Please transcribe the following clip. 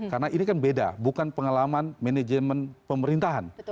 karena ini kan beda bukan pengalaman manajemen pemerintahan